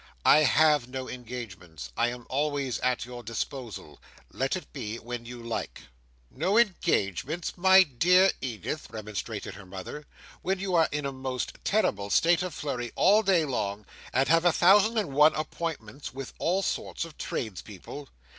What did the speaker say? "I have no engagements. I am always at your disposal. Let it be when you like." "No engagements, my dear Edith!" remonstrated her mother, "when you are in a most terrible state of flurry all day long, and have a thousand and one appointments with all sorts of trades people!"